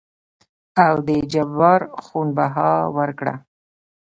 او دې جبار خون بها ورکړه.